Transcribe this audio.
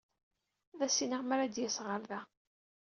Ad as-iniɣ mi ara d-yas ɣer da.